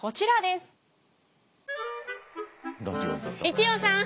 ・一葉さん！